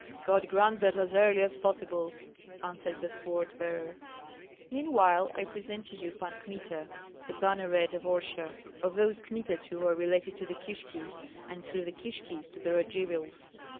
"God grant that as early as possible," answered the sword bearer. "Meanwhile I present to you Pan Kmita, the banneret of Orsha, of those Kmitas who are related to the Kishkis and through the Kishkis to the Radzivills.